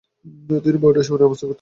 তিনি বাউন্ডারি সীমানায় অবস্থান করতেন।